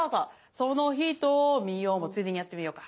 「その瞳を」もついでにやってみようか。